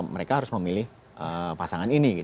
mereka harus memilih pasangan ini